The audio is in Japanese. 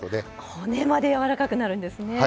骨まで柔らかくなるんですね。